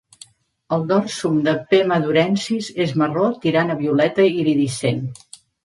El dorsum de "P. madurensis" és marró tirant a violeta iridescent.